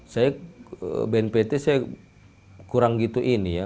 saya bnpt saya kurang gitu ini ya